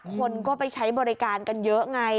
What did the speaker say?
คนก็ไปใช้บริการกันเยอะไง